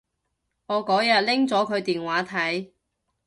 我嗰日拎咗佢電話睇